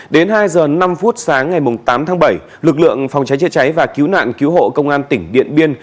đến hai giờ năm phút sáng ngày tám tháng bảy lực lượng phòng cháy chế cháy và cứu nạn cứu hộ công an tỉnh điện biên